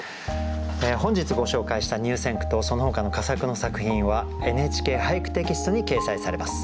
本日ご紹介した入選句とそのほかの佳作の作品は「ＮＨＫ俳句」テキストに掲載されます。